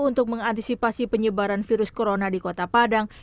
untuk mengantisipasi penyebaran virus corona di kota padang